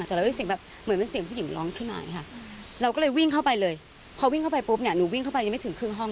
จนหนูเครียดมากเพราะหนุ่ยังได้ยินเสียง